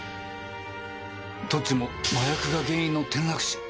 どっちも麻薬が原因の転落死！